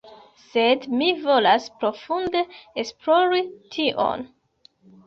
sed mi volas profunde esplori tion